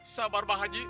sabar pak haji